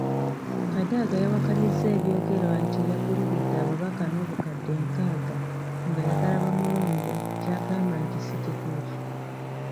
Kadaga yawakanyizza ebyogerwa nti yaguliridde ababaka n'obukadde nkaaga ng'ayagala bamulonde ky'agamba nti si kituufu.